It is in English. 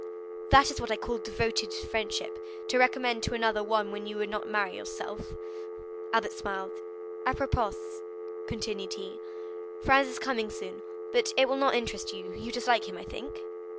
'" "That is what I call devoted friendship, to recommend to another one whom you would not marry yourself." Albert smiled. "Apropos," continued he, "Franz is coming soon, but it will not interest you; you dislike him, I think?"